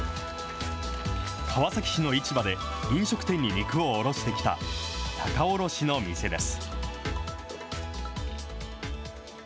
川崎市の市場で、飲食店に肉を卸してきた仲卸の店です。